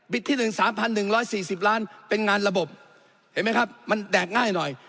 ที่๑๓๑๔๐ล้านเป็นงานระบบเห็นไหมครับมันแดกง่ายหน่อย